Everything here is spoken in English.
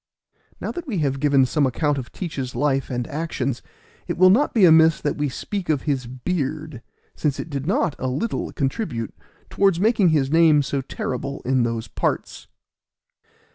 Now that we have given some account of Teach's life and actions, it will not be amiss that we speak of his beard, since it did not a little contribute towards making his name so terrible in those parts.